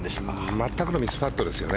全くのミスパットですよね。